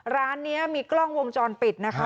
ร้านนี้มีกล้องวงจรปิดนะคะ